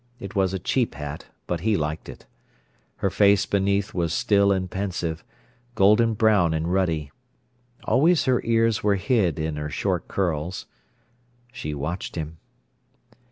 It was a cheap hat, but he liked it. Her face beneath was still and pensive, golden brown and ruddy. Always her ears were hid in her short curls. She watched him.